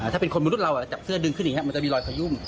ถ้าเป็นคนมนุษย์เราจับเสื้อดึงขึ้นอย่างนี้มันจะมีรอยขยุ่ม